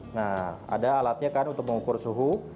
nah ada alatnya kan untuk mengukur suhu